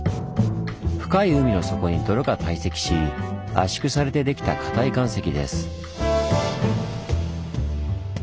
深い海の底に泥が堆積し圧縮されて出来たかたい岩石です。